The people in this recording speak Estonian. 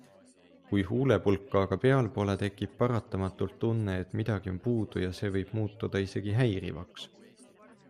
Kui huulepulka aga peal pole, tekib paratamatult tunne, et midagi on puudu ja see võib muutuda isegi häirivaks.